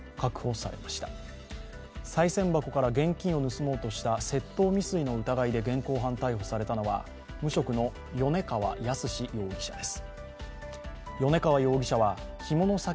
さい銭箱から、現金を盗もうとした窃盗未遂の疑いで現行犯逮捕されたのは無職の米川靖容疑者です。